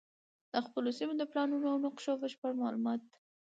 د خپلو سیمو د پلانونو او نقشو بشپړ معلومات